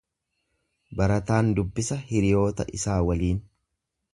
Barataan dubbisa hiriyoota isaa waliin.